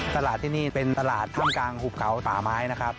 ตลาดที่นี่เป็นตลาดท่ามกลางหุบเขาป่าไม้นะครับ